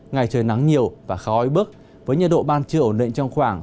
ngày trời nắng nhiều và khói bức với nhiệt độ ban trưa ổn định trong khoảng